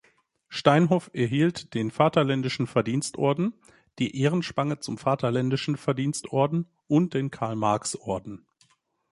Steinhoff erhielt den Vaterländischen Verdienstorden, die Ehrenspange zum Vaterländischen Verdienstorden und den Karl-Marx-Orden.